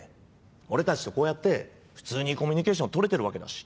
俺たちとこうやって普通にコミュニケーションとれてるわけだし。